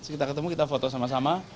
kita ketemu kita foto sama sama